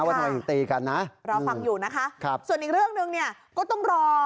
ว่าทำไมถึงตีกันนะรอฟังอยู่นะคะครับส่วนอีกเรื่องหนึ่งเนี่ยก็ต้องรอ